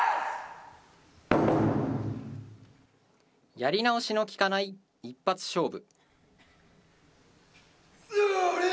やり直しのきかない一発勝負。